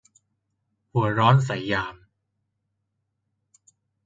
หัวร้อนใส่ยาม